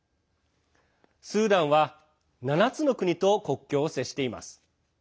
スーダンは７つの国と国境を接しています。